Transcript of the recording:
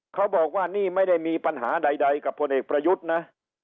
เขาบอกว่านี่ไม่ได้มีปัญหาใดกับพลเอกประยุทธ์นะ